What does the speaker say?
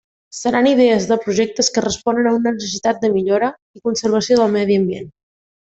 Seran idees de projectes que responen a una necessitat de millora i conservació del medi ambient.